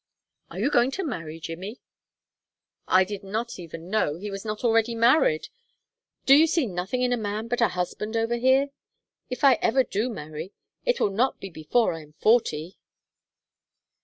"Are you going to marry Jimmy?" "I did not even know he was not already married. Do you see nothing in a man but a husband over here? If I ever do marry it will not be before I am forty."